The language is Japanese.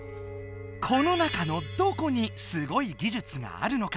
この中のどこにすごい技術があるのか